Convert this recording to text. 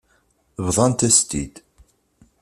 Bḍant-as-t-id.